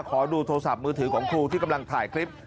ขอดูโทรศัพท์มือถือของครูที่กำลังถ่ายคลิป